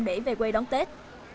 để về quê đón tết